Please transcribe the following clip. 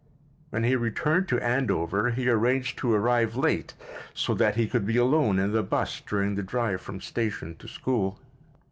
When he returned to Andover he arranged to arrive late so that he could be alone in the bus during the drive from station to school.